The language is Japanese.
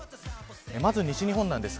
まず西日本です。